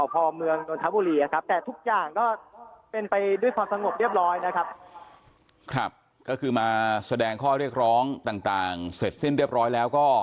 ก็คือมาแสดงข้อเรียกร้องต่างเสร็จสิ้นเรียบร้อยแล้วก็